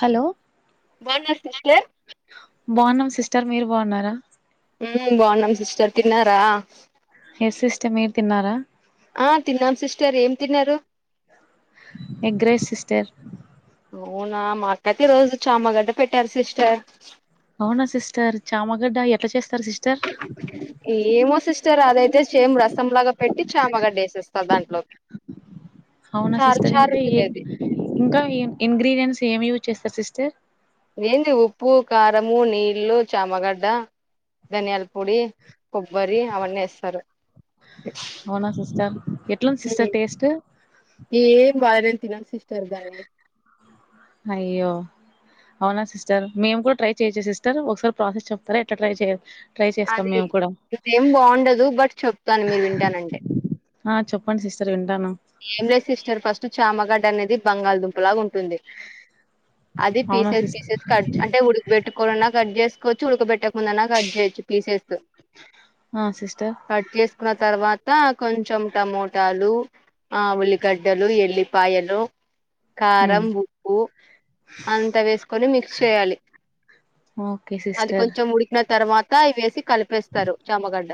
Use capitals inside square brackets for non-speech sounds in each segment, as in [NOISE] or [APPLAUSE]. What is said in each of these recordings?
Hello బావున్నారా sister బావున్నాం sister మీరు బావున్నారా ఊమ్ బావున్నాం సిస్టర్ తిన్నారా ఎస్ సిస్టర్ మీరు తిన్నారా ఆ తిన్నాం సిస్టర్ ఏం తిన్నరు ఎగ్ రైస్ సిస్టర్ అవునా మాకైతే ఈ రోజు చామగడ్డ పెట్టారు సిస్టర్ అవునా సిస్టర్ చామగడ్డ ఎట్లా చేస్తారు సిస్టర్ ఏమో సిస్ స్టర్ అదయితే సేమ్ రసంలాగా పెట్టి చామగాడ్డ డేసేస్తారు దాంట్లోకి అవునా చార్ సిస్టర్ చార్ ఇంకా ఏ ఉంటుందది ఇంకా ఇంగ్రీడియంట్స్ ఏమి యూజ్ చేస్తారు సిస్టర్ ఏంది ఉప్పు కారము నీళ్ళలు చామగడ్డ ధనియాల పొడి కొబ్బరి అవన్నీ వేస్తారు ఎట్లా ఉంది సిస్టర్ టెస్ట్ ఏం బలే తినను సిస్టర్ కాని అయ్యో అవునా సిస్టర్ మేము కూడా ట్రై చేయచ్చ సిస్టర్ ఒకసారి ప్రాసెస్ చెప్తారా ఎట్లా ట్రై చేయ్యాలి అది ఆదేం బాగుండదు బట్ చెప్తాను మీరు వింటానంటే ఆ చెప్పండి సిస్టర్ వింటాను ఏం లేదు సిస్టర్ ఫస్ట్ చామగడ్డ అనేది బంగాళదుంపు లాగా ఉంటుంది అది అవునా పీసేస్ సిస్టర్ పీసేస్ కట్ అంటే ఉడి కాపెట్టుకోన్నా కట్ చేసుకోవచ్చు ఉడకబెట్టా కుండాన్నా కట్ చేయొచ్చు పీసెస్ ఆ సిస్టర్ కట్ చేసుకున్న తర్వాత కొంచెం టమోటాలు ఆ ఉల్లి గాడ్డలు ఎల్లి పాయలు కారం ఉప్పు అంతా వేసుకొని మిక్స్ చేయాలి ఓకే అది సిస్టర్ కొంచెం ఉడికిన తర్వాత ఇ వేసి కలిపేస్తారు చామగడ్డ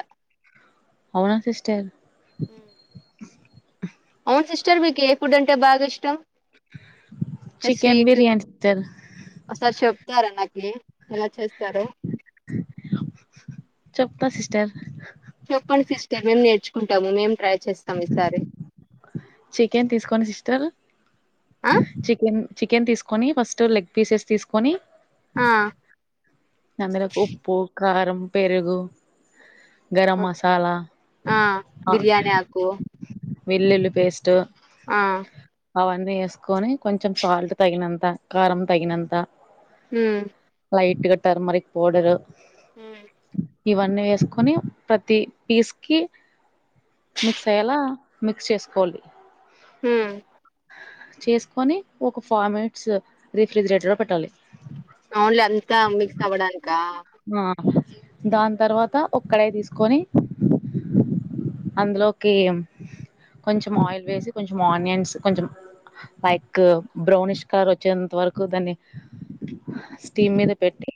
అవునా సిస్టర్ అవును సిస్టర్ మీకు ఏ ఫుడ్ అంటే బాగా ఇష్టం చికెన్ స్వీట్ బిర్యానీ సిస్టర్ ఒకసారి చెప్తారా నాకి ఎలా చేస్తారో చెప్తా సిస్టర్ చెప్పండి సిస్టర్ మేము నేర్చుకుంటాము మేము ట్రై చేస్తాం ఈ సారి చికెన్ తీసుకోని సిస్టర్ ఆ చికెన్ చికెన్ తీసుక కొని ఫస్ట్ లెగ్ పీసెస్ తీసుకొని ఆ అందులో ఉప్పు కారం పెరుగు గరం మసాలా ఆ బిర్యానీ ఆకు వెల్లుల్లి పేస్ట్ ఆ అవన్నీ వేసుకొని కొంచెం సాల్ట్ తగినంత కారం తగినంత ఉమ్ లైట్గా టర్మరక్ పోడరు ఉమ్ ఇవన్నీ వేసుకొని ప్రతి పీస్ కి మిక్స్ అయ్యేలా మిక్స్ చేసుకోవాలి ఉమ్ చేసుకొని ఒక ఫైవ్ మినిట్స్ రిఫ్రిజిరేటర్లో పెట్టాలి ఓన్లీ అంతా మిక్స్ అవడానిక ఆ దాన్ తర్వాత ఒక్కడే తీసుకొని అందులోకి కొంచెం ఆయిల్ వేసి కొంచం ఆనియన్స్ కొంచెం లైక్ బ్రౌనిష్ కలర్ ఒచ్చేంత వరకు దాన్ని స్టీమ్ హ్మ్ మీద పెట్టి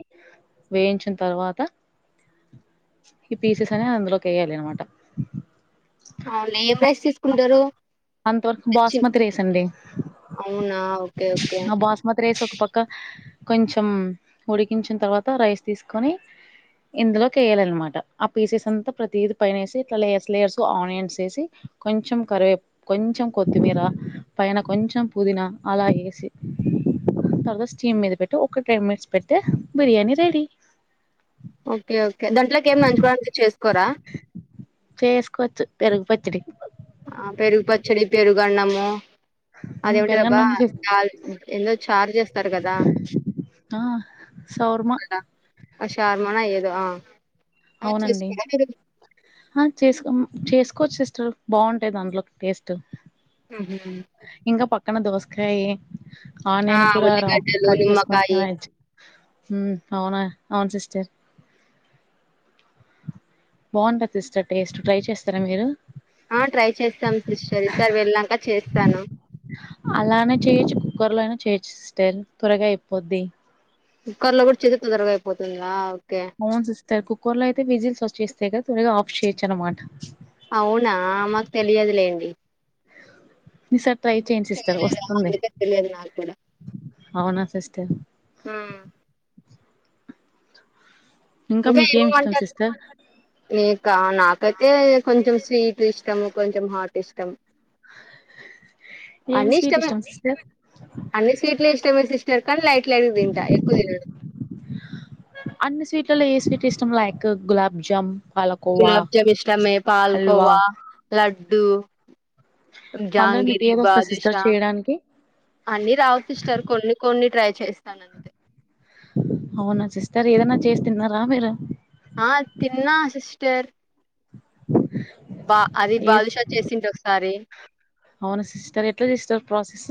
వేయించిన తర్వాత ఈ పీసెస్ అనే అందులోకి ఏయాలి అనమటా అవును ఏం రైస్ తీసుకుంటరు. అంతవరకు బాస్మతి రేస్ అండి. అవునా ఓకే ఓకే ఆ బాస్మతి రేస్ ఒక పక్ క కొంచెం ఉడికించిన తర్వాత రైస్ తీసుకొని ఇందులోకి ఎయాలనమాట ఆ పీసెస్ అంతా ప్రతీది పైనేసి ఇట్లా లేయర్స్ లేయర్స్ కు ఆనియన్స్ ఏసి కొంచెం కరివేపు కొంచెం కొత్తిమీరా పైన కొంచెం పుదీనా అలా ఏసి తర్వాత స్టీమ్ మీద పెట్టు ఒక టెన్ మినిట్స్ పెడ్తే బిర్యానీ రెడీ ఓకే ఓకే దాంట్లో కేమన నంచుకోవడానికి చేసుకోరా చేసుకోవచ్చు పెరుగు పచ్చడి. ఆ పెరుగు పచ్చడి పెరుగు అన్నము. అదేమింటిదబ్బా పెరుగన్నం చేసి చ ఎందో చారు జేస్తరు గదా! ఆ సౌర్మా షార్మనొ ఏదో ఆ అవి అవునండి. చేసుకోరా మీరు ఆ చేసుకో చేసుకోవచ్చు సిస్టర్ బావుంటాయి దాంట్లో అందులో టేస్ట్ హుహు. ఇంగ పక్కన దోసకాయి. ఆ ఆనియన్ కూడ రావు ఉల్లిగడ్డలు కట్ నిమ్మకాయి చేసుకుంటనే ఒచ్చ్ ఊ అవునా అవును సిస్టర్ బావుంటది సిస్టర్ టేస్ట్ ట్రై చేస్తారా మీరు ఆ ట్రై చేస్తాం సిస్టర్ ఈ సారి వెళ్ళాక చేస్తాను. అలానే చేయొచ్చు కుక్కర్ లోఐనా చేయొచ్చు సిస్టర్ త్వరగా అయిపోద్ది. కుక్కర్ లో గూడ చెతి తొందరగా అయిపోతుంది ఆ ఓకే అవును సిస్టర్ కుక్కర్ లో అయితే విజిల్స్ వచ్చేస్తాయి కదా త్వరగా ఆఫ్ చేయొచ్చు అనమాట అవునా మాకు తెలియదులేండి. ఈసారి ట్రై చెయండి సిస్టర్ చేయలేదా వస్తుంది. అందుకే తెలియదు నాకు కూడా అవునా సిస్టర్ ము ఇంకా ఉంటే మీకేమి ఇష్టం ఇవ్వమంటరు. సిస్టర్ నీకా నాకైతే కొంచెం స్వీట్ ఇష్టము, కొంచెం హాట్ ఇష్టం. ఏం అన్ని స్వీట్ ఇష్టమే ఇష్టం సిస్టర్ అన్ని స్వీట్లు ఇష్టమే సిస్టర్ కానీ లైట్ లైట్గా తింటా ఎక్కువ తినను అన్ని స్వీట్లలో ఏ స్వీట్ ఇష్టం లైక్ గులాబ్ జామ్ పాలకోవా గులాబ్జామ్ ఇష్టమే హల్వా పాల్కోవా లడ్డు అందులో మీకు జాంగిరి, ఏదొస్తది సిస్టర్ బాదుషా చేయడానికి అన్ని రావు సిస్టర్ కొన్ని కొన్ని ట్రై చేస్తాను అంతే అవునా సిస్టర్ ఏదనా చేసి తిన్నారా మీరు ఆ తిన్నా సిస్టర్ బా అది ఏ బాదుషా చేసింది ఒకసారి అవునా సిస్టర్ ఎట్లా చేసినర్ ప్రాసెస్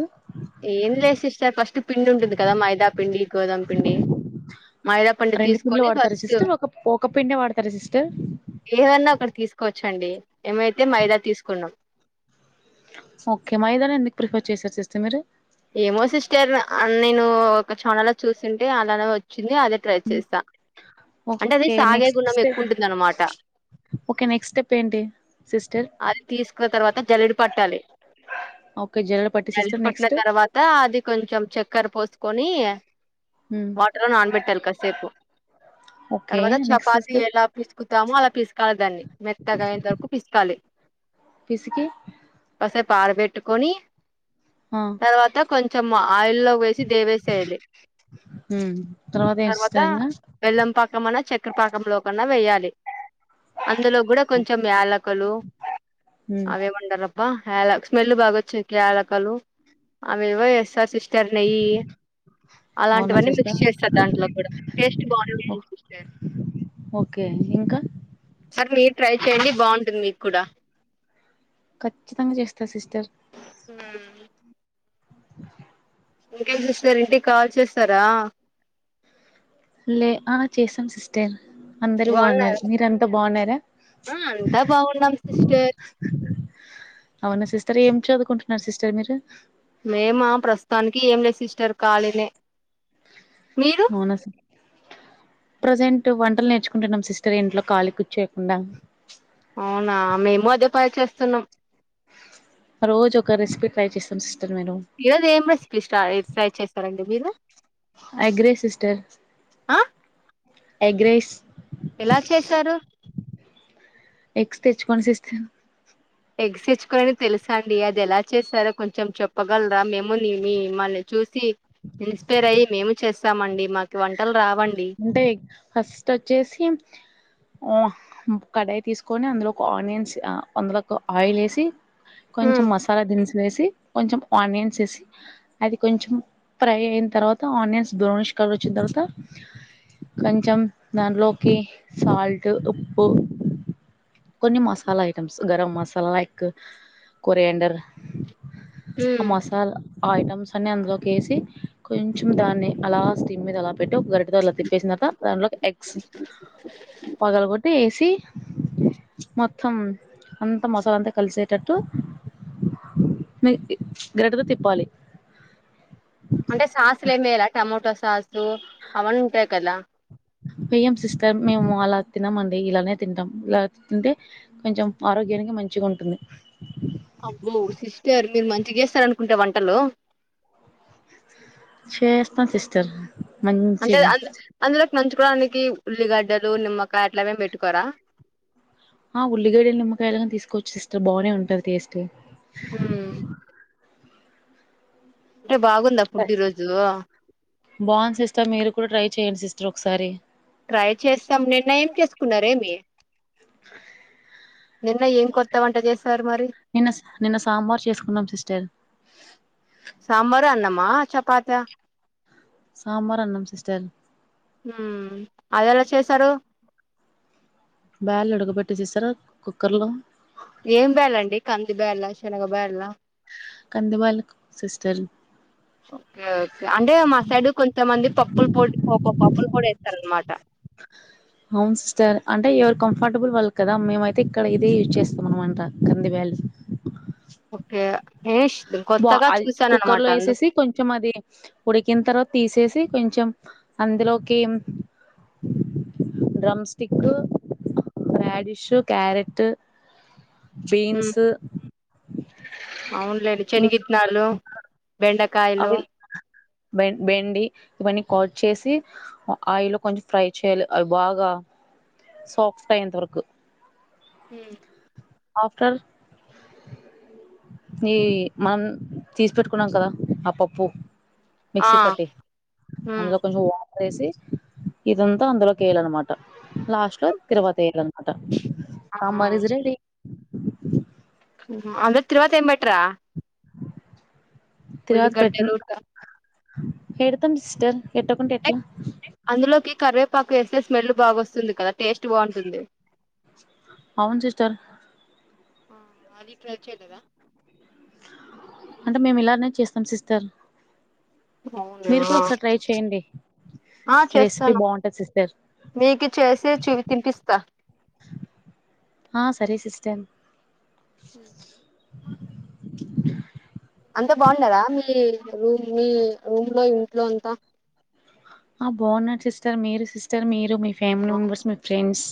ఏం లేదు సిస్టర్ ఫస్ట్ పిండి ఉంటుంది కదా మైదా పిండి గోదామ పిండి మైదాపిండి తీసుకొని ఫస్ట్ పిండి పడతారా సిస్టర్ ఏదైన్నా ఒకటి తీసుకోవచ్చండి మేమైతే మైదా తీసుకున్నాం ఓకే మైదాన ఎందుకు ప్రిఫర్ చేసారు సిస్టర్ మీరు ఏమో సిస్టర్ నేను ఒక చానల్లో చూసుంటే అలానే వచ్చింది అద ట్రై చేస్తా అంటే అదే ఓకే సాగే నెక్స్ట్ గుణం స్టెప్ ఎక్కువటుందనమాట ఓకే నెక్స్ట్ స్టెప్ ఏంటి సిస్టర్ అది తీసుకున్న తర్వాత జల్లేడ పట్టాలి ఓకే జల్లెడ పట్టి సిస్టర్ నెక్స్ట్ తర్వాత అది కొంచెం చక్కర పోసుకొని ఉమ్ వాటర్లో నానబెట్టాలి కాసేపు ఓకే తర్వాత నెక్స్ట్ చపాతి సిస్టర్ ఎలా పీసుకుతామో అలా పిసకలి దాన్ని మెత్తగాయంతే వరకు పిసుకాలి పిసికి కాసేపూ అరపెట్టుకొని ఆ తర్వాత కొంచెం ఆయిల్లో వేసి దేవేశేయాలి ఉమ్ ఏం తర్వాత సిస్టర్ ఇంగా బెల్లం పాకం అన్నా చక్కెరపాకంలో కన్నా వెేయాలి అందులో కూడా కొంచెం యాలకలు ఉమ్ అవి ఏమంటారు బా హ స్మెల్ బాగాచ్చే యాలకులు అవేవో వేస్తారు సిస్టర్ నెయ్యి అవునా అలాంటివన్నీ మిక్స్ సిస్టర్ చేస్తారు దాంట్లో కూడా టేస్ట్ బాగానే ఉంది సిస్టర్ ఓకే ఇంకా అక్కడ మీరు ట్రై చేయడి బాగుంటుంది మీకు కూడా ఖచ్చితంగా చేస్తా సిస్టర్ ఉమ్ ఇంకేం సిస్టర్ ఇంటికి కాల్ చేస్తారా లే ఆ చేసాం సిస్టర్ అందరు బాగున్నారు బాగున్నారా మీరంతా బాగున్నారా ఆ అంతా బాగున్నాం సిస్టర్ అవునా సిస్టర్ ఏం చదువుకుంటున్నారు సిస్టర్ మీరు మేము ప్రస్తుతానికి ఏం లేదు సిస్టర్ కాలీనే మీరు అవునా ప్రజెంట్ వంటలు నేర్చుకుంటున్నాం సిస్టర్ ఇంట్లో ఖాళీ కూర్చోకుండా అవునా మేము అదే పని చేస్తున్నాం రోజు ఒక రెసిపీ ట్రై చేస్తాం సిస్టర్ మీరు ఈరోజు ఏం రెసిపీ స్ట ట్రై చేస్తారండి మీరు ఎగ్ రైస్ సిస్టర్ ఆ ఎగ్ రైస్ ఎలా చేసారు ఎగ్స్ తెచ్చుకొని సిస్టర్ ఎగ్స్ తెచ్చుకొని అని తెలుసాండి అది ఎలా చేస్తారో కొంచెం చెప్పగలరా మేము మిమల్ని చూసి ఇన్స్పైర్ అయ్యి మేము చేస్తామండి మాకు వంటలు రావండి అంటే ఫస్ట్ వొచ్చేసి ఓ కడాయి తీసుకొని అందులో ఒక ఆనియన్స్ అందులోకి ఆయిల్ వేసి కొంచెం ఉమ్ మసాలా దినుసులు వేసి కొంచెం ఆనియన్స్ వేసి అది కొంచెం ఫ్రై అయిన తర్వాత ఆనియన్స్ బ్రౌనిష్ కలర్ వచ్చిన తర్వాత కొంచం దాంట్లోకి సాల్ట్ ఉప్పు కొన్ని మసాలా ఐ గరం మసాలా లైక్ కొరండర్ ఆ మసాల ఆ ఐటమ్స్ అన్ని అందులోకేసి కొంచెం దాన్ని అలా స్టీమ్ మీద అలా పెట్టి గరి [UNINTELLIGIBLE] ఆదెలె తిప్పేసినక దాంట్లోకి ఎగ్స్ పగలు కొట్టి వేసి మొత్తం అంతా మసాల అంతా కలిసేటట్టు మీ గరిట తో తిప్పాలి అంటే సాస్లుమేయలా టమోటో సాస్ అవన్నీ ఉంటాయి కదా వేయ్యం సిస్టర్ మేము అలా తినమ అండి ఇలానే తింటాం ఇలా తింటే కొంచెం ఆరోగ్యానికి మంచిగా ఉంటుంది అబ్బో సిస్టర్ మీరు మంచిగా చేస్తార అనుకుంటా వంటలు చేస్తా సిస్టర్ అంటే మంచిగా అందు అందులోకి నంచుకోవడానికి ఉల్లిగడ్డలు నిమ్మకాయ అట్లావేమి పెట్టుకోరా ఆ ఉల్లిగాడయలు నిమ్మకాయలాగాని తీసుకోవచ్చు సిస్టర్ బాగానే ఉంటుది టేస్ట్ ఉం అంటే బాగుందా ఫుడ్ ఈ రోజు బాగుంది సిస్టర్ మీరు కూడా ట్రై చెయ్యండి సిస్టర్ ఒకసారి ట్రై చేస్తాం నిన్న ఏం చేసుకున్నారేమి స నిన్న ఏం కొత్త వంట చేసే నిన్న నిన్న సాంబార్ చేసుకున్నాం సిస్టర్ సాంబార్ అన్నమ్మా చపాత సాంబార్ అన్నం సిస్టర్ ఉం అది ఎలా చేసారు బ్యాల్ వుడగబెట్టేసస్తారా కుక్కర్ లో ఏం బేలండి కంది బేలా శనగ బేలా కందు బాల సిస్టర్ ఓకే ఓకే అంటే మా సైడ్ కొంతమంది పప్పుల పొడి కో పప్పుల పొడి వేస్తార అనమాట అవును సిస్టర్ అంటే ఎవరు కంఫర్టబుల్ వాళ్ళు కదా మేమైతే ఇక్కడ ఇదే యూజ్ చేస్తాం అనమాంట కంది బేల్ ఓకే ఇస్ బా కొత్తగా అది చూసాను కుక్కర్ అనమాట లో అందుకు వేసేసి కొంచెం అది ఉడికిన తర్వాత తీసేసి కొంచెం అందులోకి drumstick radish carrot beans అవును లేండి చనగ ఇంకా ఇత్తనాలు బెండ అవి బె బెండి ఇవన్నీ కాట్ చేసి ఆయిలో కొంచెం ఫ్రై చేయాలి అవి బాగా సోఫ్ట్ అయంతవరకు ఉం ఆఫ్టర్ ఈ మనం తీసి పెట్టుకున్నాం కదా ఆ పప్పు ఆ మిక్సీ పట్టి మ్మ్ అందులో కొంచం వాము ఏసి ఇదంతా అందులోకి ఏయాలనమాట లాస్ట్ ఓకే తిరువాత ఏయాలా అనమాట ఆహా సాంబార్ ఇస్ రెడి అంద్ తిరువాతా ఎంబెట్రా తరువాత పెట్టిన ఉల్లిగడ్డలు ఎడతం సిస్టర్ ఎట్టకుంటే ఎట్ల అందులోకి కరివేపాకు వేస్తే స్మెల్ బాగొస్తుంది కదా టేస్ట్ బాగుంటుంది. అవును సిస్టర్ ఆ అది ట్రై చేయలేదా అంటే మేము ఇలానే చేస్తాం సిస్టర్ అవునా మీరు కూడా ఒకసారి ట్రై చేయండి ఆ ఈ రెసిపీ చేస్తాను. బాగుంటది సిస్టర్ మీకి చేసి చూ తినిపిస్తా. ఆ సరే సిస్టర్ మ్ అంతా బాగుండరా మీ రూమ్ మీ రూమ్ లో ఇంట్లో అంతా ఆ బాగున్నారు సిస్టర్ మీరు సిస్టర్ మీరు, మీ ఫ్యామిలీ ఆ మెంబర్స్, మీ ఫ్రెండ్స్?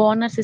బాగున్నారు సిస్